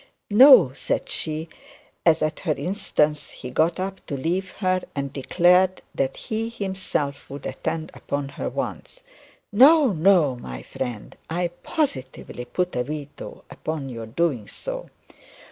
'No,' said she, as at her instance he got up to leave her, and declared that he himself would attend upon her wants; 'no, no, my friend; I positively put a veto upon your doing so.